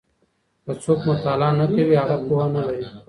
که څوک مطالعه نه کوي، هغه پوهه نه لري.